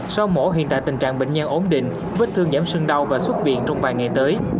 sau mổ hiện tại tình trạng bệnh nhân ổn định vết thương giảm sưng đau và xuất viện trong vài ngày tới